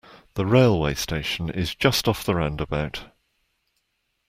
The railway station is just off the roundabout